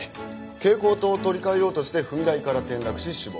蛍光灯を取り換えようとして踏み台から転落し死亡。